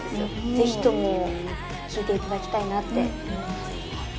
ぜひとも聞いていただきたいなって思います